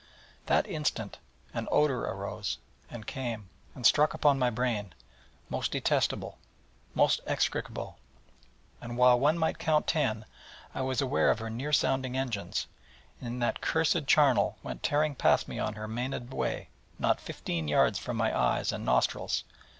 '_ That instant an odour arose, and came, and struck upon my brain, most detestable, most execrable; and while one might count ten, I was aware of her near sounding engines, and that cursed charnel went tearing past me on her maenad way, not fifteen yards from my eyes and nostrils.